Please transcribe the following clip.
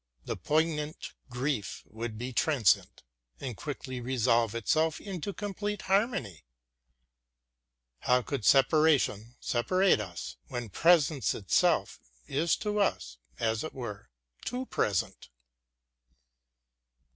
The poignant grief would be transient and quickly resolve itself into complete harmony. How could separation separate us, when presence itself is to us, as it were, too present?